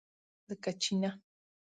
لکه چینۀ!